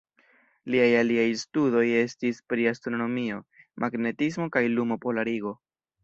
Liaj aliaj studoj estis pri astronomio, magnetismo kaj lumo-polarigo.